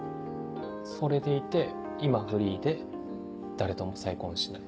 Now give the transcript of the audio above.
それでいて今フリーで誰とも再婚しない？